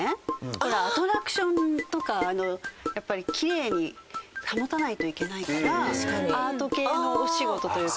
ほらアトラクションとかやっぱりきれいに保たないといけないからアート系のお仕事というか。